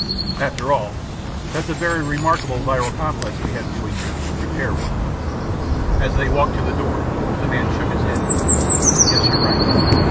After all, that's a very remarkable viral complex we have doing your 'repair' work." As they walked to the door, the man shook his head, "Guess you're right, Doc.